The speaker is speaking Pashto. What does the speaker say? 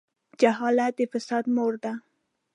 جهالت د فساد مور ده.